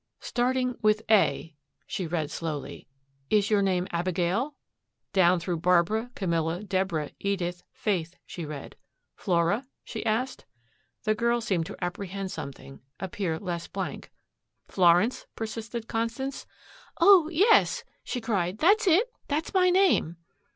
Starting with "A," she read slowly. "Is your name Abigail?" Down through Barbara, Camilla, Deborah, Edith, Faith, she read. "Flora?" she asked. The girl seemed to apprehend something, appear less blank. "Florence?" persisted Constance. "Oh, yes," she cried, "that's it that's my name."